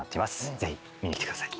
ぜひ見に来てください。